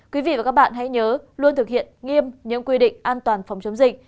quý vị và các bạn hãy nhớ luôn thực hiện nghiêm những quy định an toàn phòng chống dịch